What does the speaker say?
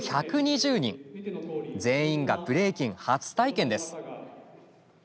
全員がブレイキン初体験です。